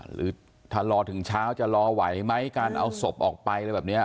หรือถ้ารอถึงเช้าจะรอไหวไหมการเอาศพออกไปอะไรแบบนี้